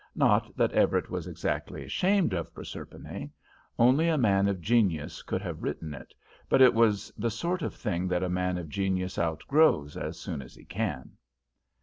Not that Everett was exactly ashamed of Proserpine; only a man of genius could have written it, but it was the sort of thing that a man of genius outgrows as soon as he can.